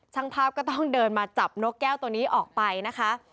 ช่างภาพก็ต้องเดินมาจับนกแก้วตัวนี้ออกไปนะคะ